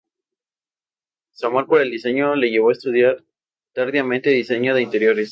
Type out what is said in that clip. Su amor por el diseño le llevó a estudiar tardíamente diseño de interiores.